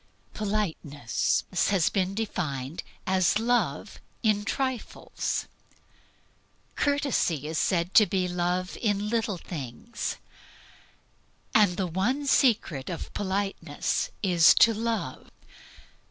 Politeness has been defined as love in trifles. Courtesy is said to be love in little things. And the one secret of politeness is to love.